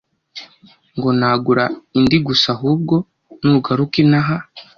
ngo nagura indi gusa ahubwo nugaruka inaha